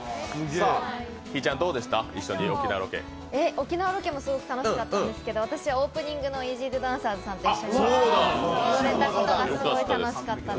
沖縄ロケも楽しかったですけど、オープニングのイージードゥダンサーズさんと一緒に踊れたことがうれしかったです。